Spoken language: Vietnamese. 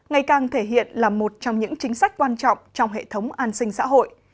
ngày càng thể hiện là một trong những chính sách quan trọng trong hệ thống an sinh xã hội